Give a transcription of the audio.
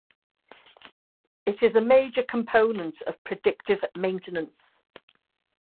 It is a major component of predictive maintenance.